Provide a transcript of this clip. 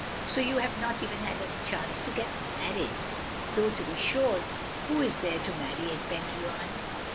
So you have not even had a chance to get n^^nied! Though to be sure who is there to marry at Pen y waun?